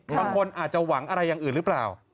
บางคนอาจจะหวังอะไรอย่างอื่นหรือเปล่า